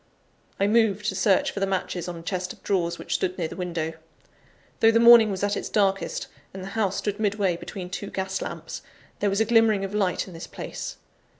I moved to search for the matches on a chest of drawers, which stood near the window. Though the morning was at its darkest, and the house stood midway between two gas lamps, there was a glimmering of light in this place.